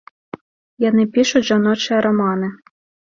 Яны пішуць жаночыя раманы.